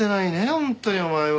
本当にお前は。